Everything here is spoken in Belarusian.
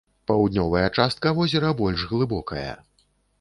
Паўднёвая частка возера больш глыбокая.